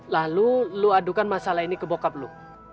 lalu lu adukan masalah ini ke bokap lo